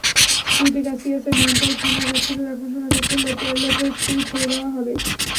শুরুতে ক্যাসিয়াসের নামটাই শোনা যাচ্ছিল, এখন শোনা যাচ্ছে লোপেজকেই ছেড়ে দেওয়া হবে।